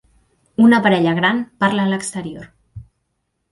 Una parella gran parla a l'exterior.